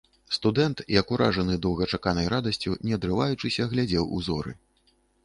Студэнт, як уражаны доўгачаканай радасцю, не адрываючыся, глядзеў у зоры.